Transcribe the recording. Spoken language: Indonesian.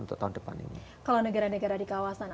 untuk tahun depan ini kalau negara negara di kawasan